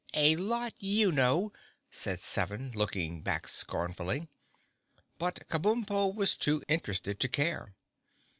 "A lot you know!" said Seven, looking back scornfully, but Kabumpo was too interested to care.